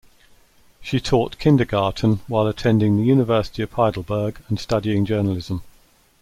She taught kindergarten while attending the University of Heidelberg and studying journalism.